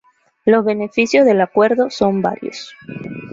Los beneficios del acuerdo son varios.